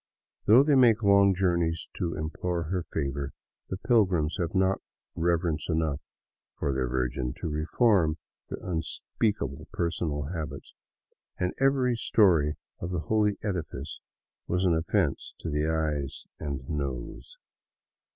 Though they make long journeys to implore her favor, the pilgrims have not reverence enough for their Virgin to reform their unspeak able personal habits, and every story of the holy edifice was an of fence to eyes and nose.